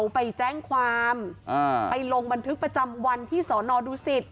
ไปแจ้งความไปลงบันทึกประจำวันที่สอนอดูสิต